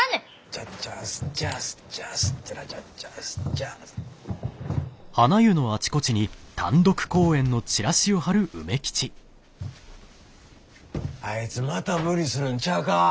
チャッチャッスッチャスッチャスッチャラチャッチャスチャ・あいつまた無理するんちゃうか？